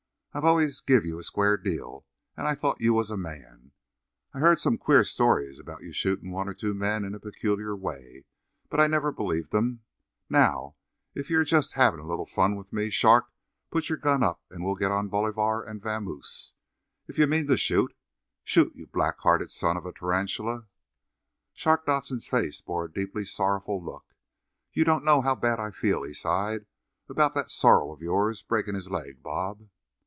I've always give you a square deal, and I thought you was a man. I've heard some queer stories about you shootin' one or two men in a peculiar way, but I never believed 'em. Now if you're just havin' a little fun with me, Shark, put your gun up, and we'll get on Bolivar and vamose. If you mean to shoot—shoot, you blackhearted son of a tarantula!" Shark Dodson's face bore a deeply sorrowful look. "You don't know how bad I feel," he sighed, "about that sorrel of yourn breakin' his leg, Bob."